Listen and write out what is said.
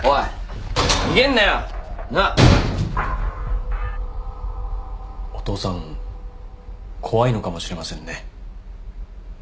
・お父さん怖いのかもしれませんね。